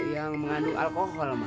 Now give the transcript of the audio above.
yang mengandung alkohol emak